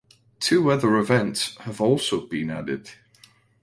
Two other events have also been added.